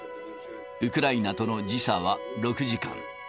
ウクライナとの時差は６時間。